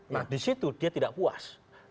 nah di situ dia tidak puas